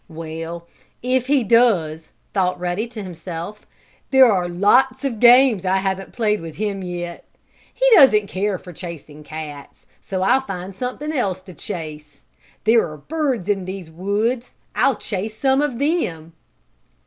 "Well, if he does," thought Ruddy to himself, "there are lots of games I haven't played with him yet. He doesn't care for chasing cats, so I'll find something else to chase. There are birds in these woods, I'll chase some of them!"